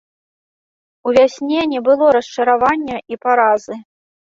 У вясне не было расчаравання і паразы.